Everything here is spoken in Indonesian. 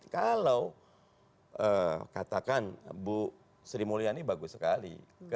kalau katakan bu sri mulyani bagus sekali